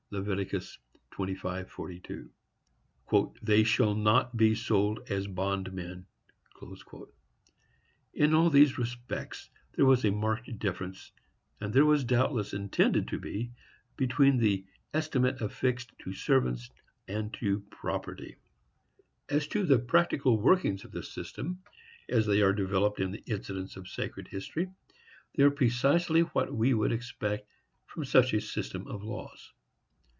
Lev. 25:42.—"They shall not be sold as bond men." In all these respects there was a marked difference, and there was doubtless intended to be, between the estimate affixed to servants and to property.—Inquiry, &c., p. 133–4. As to the practical workings of this system, as they are developed in the incidents of sacred history, they are precisely what we should expect from such a system of laws.